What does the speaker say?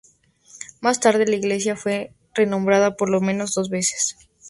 Más tarde, la iglesia fue reformada por lo menos dos veces.